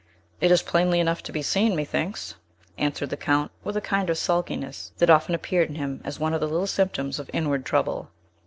"It is plainly enough to be seen, methinks," answered the Count, with a kind of sulkiness that often appeared in him, as one of the little symptoms of inward trouble.